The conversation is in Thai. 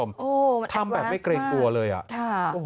โอ้มันแอบร้าสมากทำแบบไม่เกรงกลัวเลยอ่ะโอ้โห